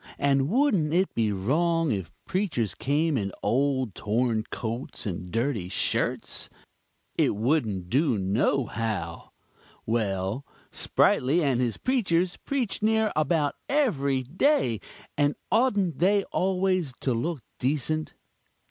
and wouldn't it be wrong if preachers came in old torn coats and dirty shirts? It wouldn't do no how. Well, Sprightly and his preachers preach near about every day; and oughtn't they always to look decent?